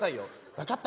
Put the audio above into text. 分かった。